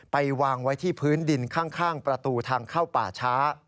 ไปวางไว้ที่พื้นดินข้างประตูทางเข้าป่าช้า